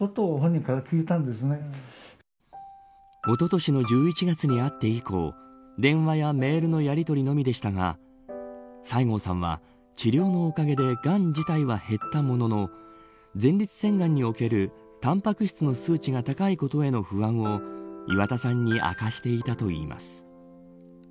おととしの１１月に会って以降電話やメールのやりとりのみでしたが西郷さんは治療のおかげでがん自体は減ったものの前立腺がんにおけるタンパク質の数値が高いことへの不安を岩田さんに明かしていたといいます。